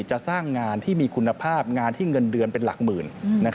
จะสร้างงานที่มีคุณภาพงานที่เงินเดือนเป็นหลักหมื่น